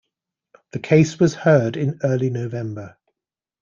The case was heard in early November.